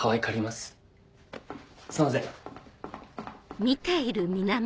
すんません。